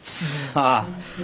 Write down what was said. ああ。